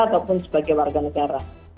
ataupun sebagai warga negara